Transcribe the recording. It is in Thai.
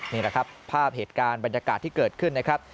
นี่แหละครับภาพเหตุการณ์บรรยากาศที่เกิดขึ้นนะครับ